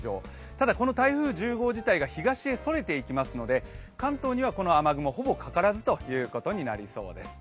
ただ、この台風１０号自体が東へそれていきますので、関東にはこの雨雲、ほぼかからずということになりそうです。